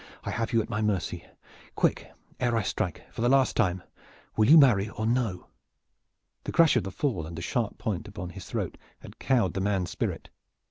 "I have you at my mercy! Quick ere I strike, and for the last time! Will you marry or no?" The crash of the fall and the sharp point upon his throat had cowed the man's spirit.